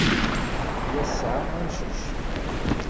Tella tesɛa amcic.